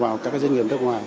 vào các doanh nghiệp nước ngoài